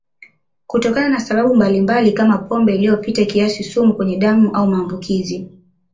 Kutokana na sababu mbalimbali kama pombe iliyopita kiasi sumu kwenye damu au maambukizi